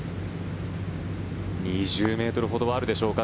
２０ｍほどはあるでしょうか。